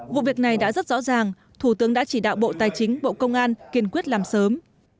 vụ việc này đã rất rõ ràng thủ tướng đã chỉ đạo bộ tài chính bộ công an kiên quyết làm sớm